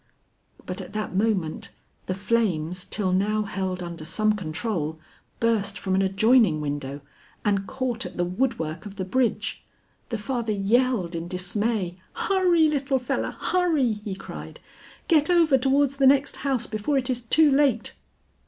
But at that moment the flames, till now held under some control, burst from an adjoining window, and caught at the woodwork of the bridge. The father yelled in dismay. "Hurry, little feller, hurry!" he cried. "Get over towards the next house before it is too late."